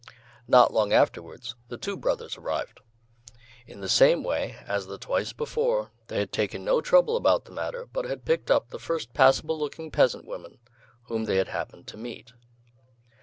Not long afterwards the two brothers arrived. In the same way, as the twice before, they had taken no trouble about the matter, but had picked up the first passable looking peasant woman whom they had happened to meet.